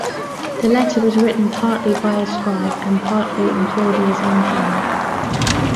The letter was written partly by a scribe and partly in Claudia's own hand.